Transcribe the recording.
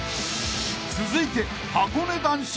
［続いて］